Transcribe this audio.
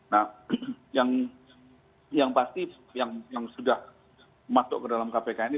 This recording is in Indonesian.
nah yang pasti yang sudah masuk ke dalam kpk ini